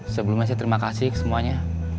sebelumnya saya terima kasih semuanya